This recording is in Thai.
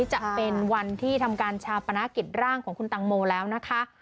จะเป็นวันที่ทำการชาปนกิจร่างของคุณตังโมแล้วนะคะ